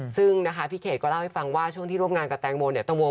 ซึ่งนะคะพี่เขตก็เล่าให้ฟังว่าช่วงที่ร่วมงานกับแตงโมเนี่ย